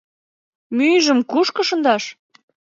— Мӱйжым к-кушко шындаш?